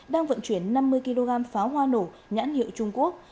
đang vận chuyển năm mươi kg pháo hoa nổ nhãn hiệu trung quốc